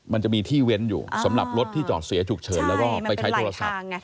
มันจะมีที่เว้นอยู่สำหรับรถที่จอดเสียฉุกเฉินแล้วก็ไปใช้โทรศัพท์